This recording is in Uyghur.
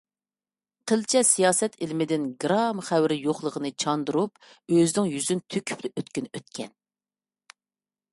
قىلچە سىياسەت ئىلمىدىن گىرام خەۋىرى يوقلۇقىنى چاندۇرۇپ ئۆزىنىڭ يۈزىنى تۆكۈپلا ئۆتكىنى ئۆتكەن.